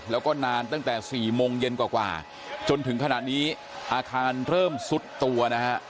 แล้วก็นานตั้งแต่๔โมงเย็นกว่าจนถึงขณะนี้อาคารเริ่มซุดตัวนะฮะ